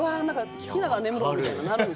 聞きながら眠るみたいな。